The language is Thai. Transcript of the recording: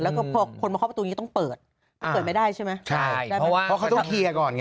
แล้วก็พอคนมาเคาะประตูอย่างนี้ต้องเปิดเปิดไม่ได้ใช่ไหมใช่เพราะว่าเพราะเขาต้องเคลียร์ก่อนไง